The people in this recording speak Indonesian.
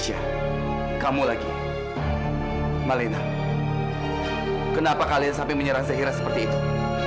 mesya kamu lagi malena kenapa kalian sampai menyerang zahira seperti itu